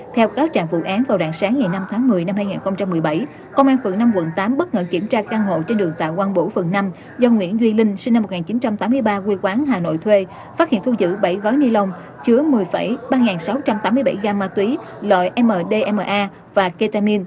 theo cáo trạng vụ án vào đoạn sáng ngày năm tháng một mươi năm hai nghìn một mươi bảy công an phường năm quận tám bất ngờ kiểm tra căn hộ trên đường tạo quang bủ phường năm